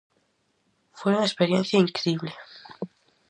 Foi unha experiencia incrible.